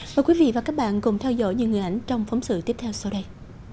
mời quý vị và các bạn cùng theo dõi những người ảnh trong phóng sự tiếp theo sau đây